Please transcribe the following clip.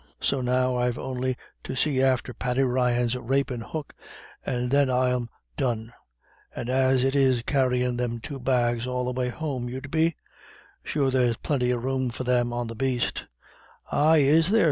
So now I've on'y to see after Paddy Ryan's rapin' hook, and then I'm done. And is it carryin' them two bags all the way home you'd be? Sure there's plinty of room for them on the baste." "Ay, is there?"